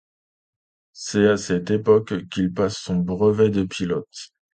C'est à cette époque qu'il passe son brevet de pilote.